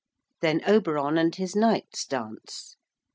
Then Oberon and his knights dance.